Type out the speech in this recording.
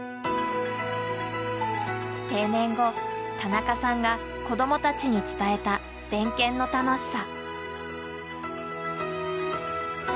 定年後田中さんが子どもたちに伝えたデンケンの楽しさ。